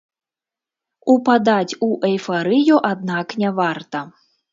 Упадаць у эйфарыю, аднак, не варта.